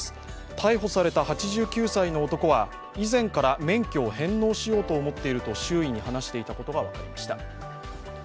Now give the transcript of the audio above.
逮捕された８９歳の男は以前から免許を返納しようと思っていると周囲に話していたことが分かりました。